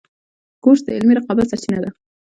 کورس د علمي رقابت سرچینه ده.